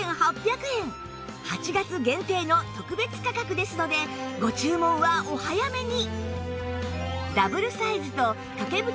８月限定の特別価格ですのでご注文はお早めに